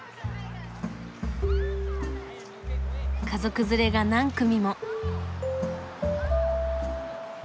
家族連れが何組も。